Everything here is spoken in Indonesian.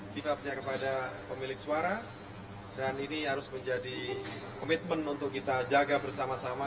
kitabnya kepada pemilik suara dan ini harus menjadi komitmen untuk kita jaga bersama sama